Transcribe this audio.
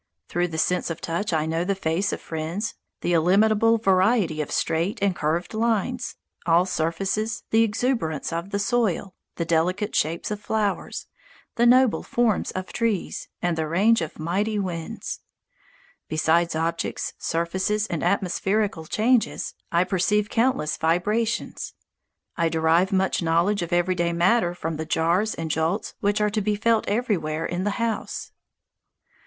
Through the sense of touch I know the faces of friends, the illimitable variety of straight and curved lines, all surfaces, the exuberance of the soil, the delicate shapes of flowers, the noble forms of trees, and the range of mighty winds. Besides objects, surfaces, and atmospherical changes, I perceive countless vibrations. I derive much knowledge of everyday matter from the jars and jolts which are to be felt everywhere in the house.